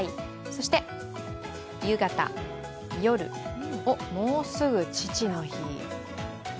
そして夕方、夜、もうすぐ父の日。